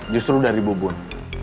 justru dari bu bun